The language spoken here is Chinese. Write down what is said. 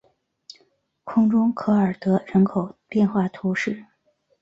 空中科尔德人口变化图示